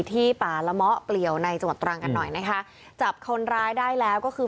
ที่ป่าละมะเปลี่ยวในจังหวัดตรังกันหน่อยนะคะจับคนร้ายได้แล้วก็คือ